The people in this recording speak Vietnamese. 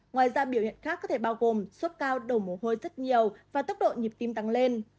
ngoài ra biểu hiện khác có thể bao gồm sốt cao đổ mồ hôi rất nhiều và tốc độ nhịp tim tăng lên